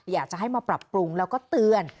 อยากจะให้มาปรับปรุงแล้วก็เตือน